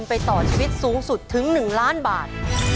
ไปต่อชีวิตสูงสุดถึง๑ล้านบาท